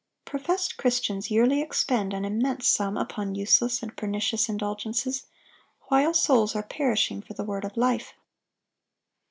Professed Christians yearly expend an immense sum upon useless and pernicious indulgences, while souls are perishing for the word of life.